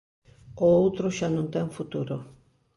O outro xa non ten futuro.